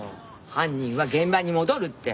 犯人は現場に戻るって。